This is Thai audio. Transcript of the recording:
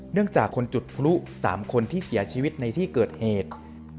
จากคนจุดพลุ๓คนที่เสียชีวิตในที่เกิดเหตุ